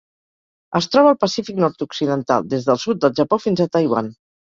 Es troba al Pacífic nord-occidental: des del sud del Japó fins a Taiwan.